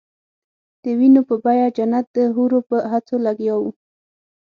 د وینو په بیه جنت د حورو په هڅو لګیا وو.